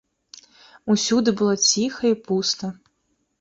Усюды было ціха і пуста.